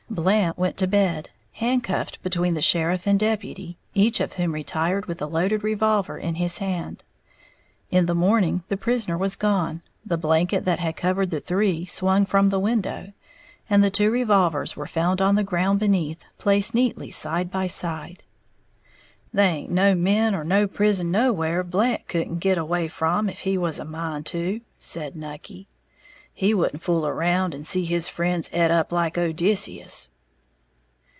Blant went to bed, handcuffed, between the sheriff and deputy, each of whom retired with a loaded revolver in his hand. In the morning the prisoner was gone, the blanket that had covered the three swung from the window, and the two revolvers were found on the ground beneath, placed neatly side by side. "Thaint no men or no prison nowhere Blant couldn't git away from if he was a mind to," said Nucky; "he wouldn't fool around and see his friends et up like Odysseus."